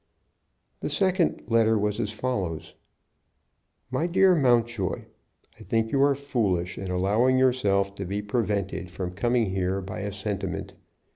The second letter was as follows: "My dear Mountjoy, I think you are foolish in allowing yourself to be prevented from coming here by a sentiment.